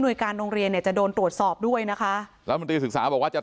โดยการโรงเรียนเนี่ยจะโดนตรวจสอบด้วยนะคะรัฐมนตรีศึกษาบอกว่าจะ